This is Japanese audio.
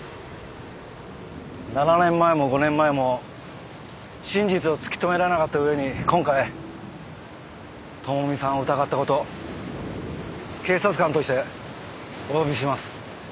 ７年前も５年前も真実を突き止められなかった上に今回朋美さんを疑った事警察官としておわびします。